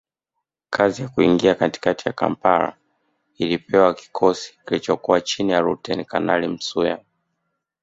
Kazi ya kuingia katikati ya Kampala ilipewa kikosi kilichokuwa chini ya Luteni Kanali Msuya